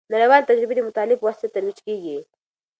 نړیوالې تجربې د مطالعې په واسطه ترویج کیږي.